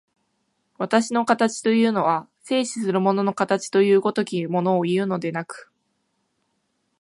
私の形というのは、静止する物の形という如きものをいうのでなく、